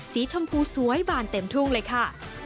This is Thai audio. สีชมพูสวยบานเต็มทุ่งเลยค่ะ